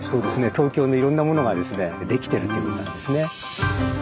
東京のいろんなものができてるっていうことなんですね。